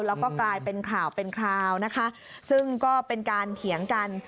แล้วก็กลายเป็นข่าวเป็นคราวนะคะซึ่งก็เป็นการเถียงกัน